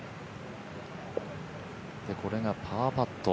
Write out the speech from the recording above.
これがパーパット。